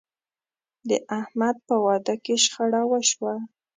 د احمد په واده کې شخړه وشوه.